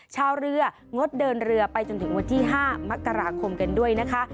ชาวเรืองดเดินเรือไปจนถึงวันที่๕มกราคมกันด้วยนะคะ